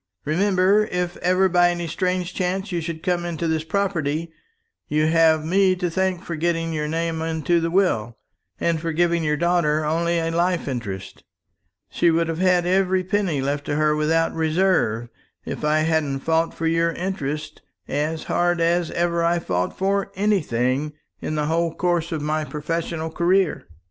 "Remember, if ever by any strange chance you should come into this property, you have me to thank for getting your name into the will, and for giving your daughter only a life interest. She would have had every penny left to her without reserve, if I hadn't fought for your interests as hard as ever I fought for anything in the whole course of my professional career."